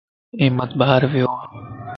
احمد بار ويووَ